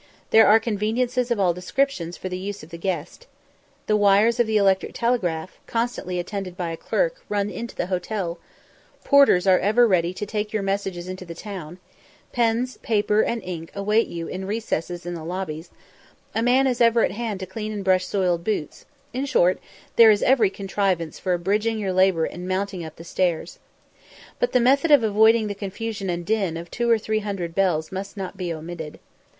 There are conveniences of all descriptions for the use of the guests. The wires of the electric telegraph, constantly attended by a clerk, run into the hotel; porters are ever ready to take your messages into the town; pens, paper, and ink await you in recesses in the lobbies; a man is ever at hand to clean and brush soiled boots in short, there is every contrivance for abridging your labour in mounting up stairs. But the method of avoiding the confusion and din of two or three hundred bells must not be omitted.